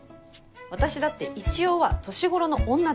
私だって一応は年頃の女です。